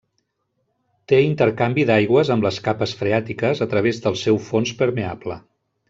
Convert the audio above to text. Té intercanvi d'aigües amb les capes freàtiques a través del seu fons permeable.